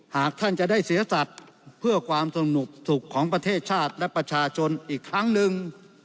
หากท่านจะได้เสียสัตว์เพื่อความสนุกสุขของประเทศชาติและประชาชนอีกครั้งหนึ่ง